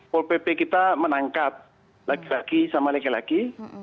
jadi kita menangkap laki laki sama laki laki